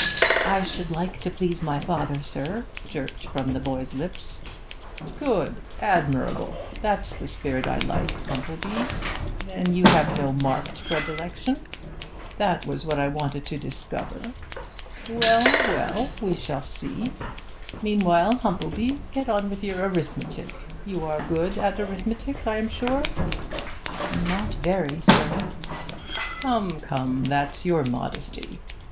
'I should like to please my father, sir,' jerked from the boy's lips. 'Good! Admirable! That's the spirit I like, Humplebee. Then you have no marked predilection? That was what I wanted to discover well, well, we shall see. Meanwhile, Humplebee, get on with your arithmetic. You are good at arithmetic, I am sure?' 'Not very, sir.' 'Come, come, that's your modesty.